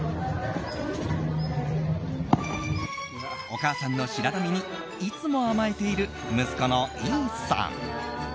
お母さんのシラナミにいつも甘えている息子のイーサン。